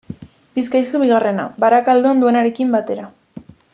Bizkaiko bigarrena, Barakaldon duenarekin batera.